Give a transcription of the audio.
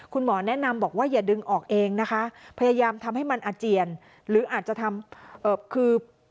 คุณหมอแนะนำบอกว่าอย่าดึงออกเองนะคะพยายามทำให้มันอาเจียนหรืออาจจะทำคือ